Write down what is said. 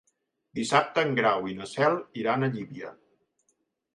Dissabte en Grau i na Cel iran a Llívia.